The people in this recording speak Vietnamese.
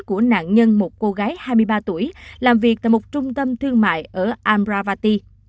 của nạn nhân một cô gái hai mươi ba tuổi làm việc tại một trung tâm thương mại ở amravati